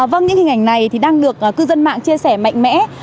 vâng những hình ảnh này đang được cư dân mạng chia sẻ mạnh mẽ